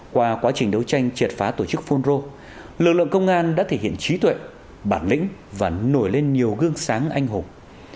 qua quá trình đấu tranh triệt phá tổ chức phun rô lực lượng công an đã thể hiện trí tuệ bản lĩnh và nổi lên nhiều gương sáng anh hùng